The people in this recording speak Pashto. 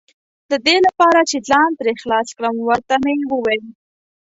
د دې لپاره چې ځان ترې خلاص کړم، ور ته مې وویل.